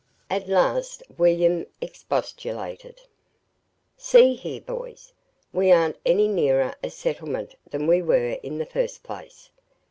At last William expostulated: "See here, boys, we aren't any nearer a settlement than we were in the first place.